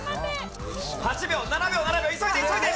８秒７秒急いで！